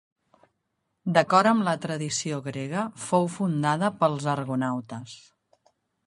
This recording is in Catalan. D'acord amb la tradició grega fou fundada pels argonautes.